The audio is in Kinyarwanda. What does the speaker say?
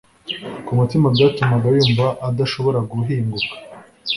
ku mutima byatumaga yumva adashobora guhinguka